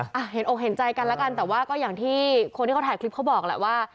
อ่ะเห็นอกเห็นใจกันแล้วกันแต่ว่าก็อย่างที่คนที่เขาถ่ายคลิปเขาบอกแหละว่า